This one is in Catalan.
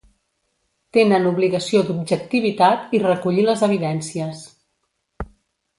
Tenen obligació d’objectivitat i recollir les evidències.